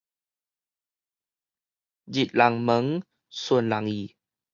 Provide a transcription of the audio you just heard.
入人門，順人意